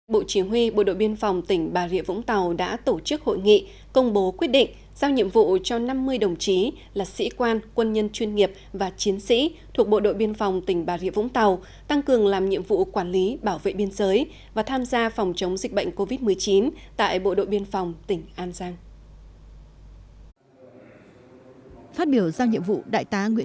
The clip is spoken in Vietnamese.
bộ chỉ huy bộ đội biên phòng tỉnh bà rịa vũng tàu đã tổ chức hội nghị công bố quyết định giao nhiệm vụ cho năm mươi đồng chí là sĩ quan quân nhân chuyên nghiệp và chiến sĩ thuộc bộ đội biên phòng tỉnh bà rịa vũng tàu tăng cường làm nhiệm vụ quản lý bảo vệ biên giới và tham gia phòng chống dịch bệnh covid một mươi chín tại bộ đội biên phòng tỉnh an giang